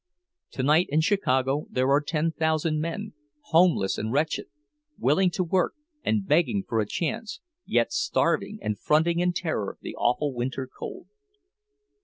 To night in Chicago there are ten thousand men, homeless and wretched, willing to work and begging for a chance, yet starving, and fronting in terror the awful winter cold!